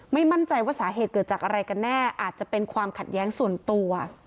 มั่นใจว่าสาเหตุเกิดจากอะไรกันแน่อาจจะเป็นความขัดแย้งส่วนตัว